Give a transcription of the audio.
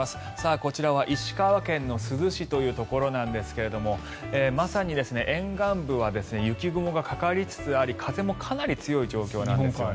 こちらは石川県の珠洲市というところなんですがまさに沿岸部は雪雲がかかりつつあり風もかなり強い状況なんですよね。